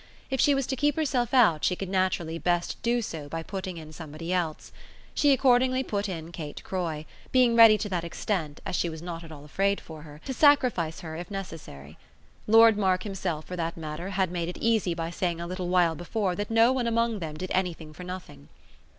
If she was to keep herself out she could naturally best do so by putting in somebody else. She accordingly put in Kate Croy, being ready to that extent as she was not at all afraid for her to sacrifice her if necessary. Lord Mark himself, for that matter, had made it easy by saying a little while before that no one among them did anything for nothing.